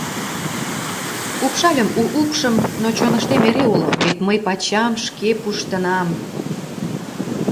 Упшальым у упшым, но чоныштем эре уло: вет мый пачам шке пуштынам!